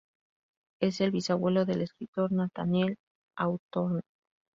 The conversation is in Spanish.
Es el bisabuelo del escritor Nathaniel Hawthorne.